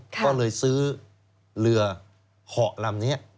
ก็เลยซื้อเรือเหาะลำนี้